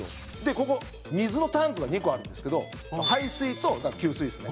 ここ、水のタンクが２個あるんですけど排水と給水ですね。